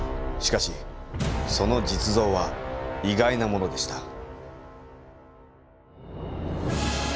しかしその実像は意外なものでした。